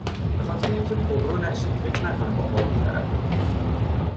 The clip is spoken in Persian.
به خاطر اینکه پررو نشه، فکر نکنه با هالو طرفه